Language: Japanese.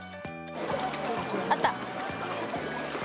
あった。